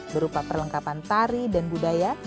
berupa perlengkapan tari dan budaya